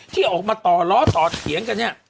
ที่ออกมาต่อล้อต่อเถียงกันเนี่ย